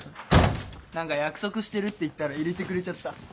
何か約束してるって言ったら入れてくれちゃった。